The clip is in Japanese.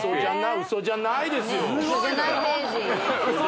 「ウソじゃない？」ですよ